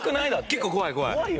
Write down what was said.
結構怖い怖い。